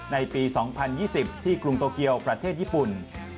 ในปี๒๐๒๐ที่กรุงโตเกียวประเทศญี่ปุ่น